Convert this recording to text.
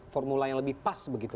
formula yang lebih pas begitu